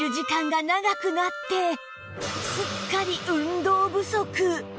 すっかり運動不足！